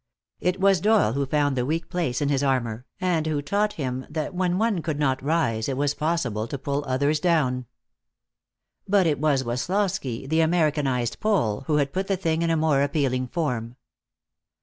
It was Doyle who found the weak place in his armor, and who taught him that when one could not rise it was possible to pull others down. But it was Woslosky, the Americanized Pole; who had put the thing in a more appealing form.